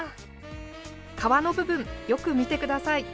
皮の部分、よく見てください。